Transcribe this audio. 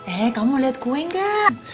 eh kamu mau liat kue gak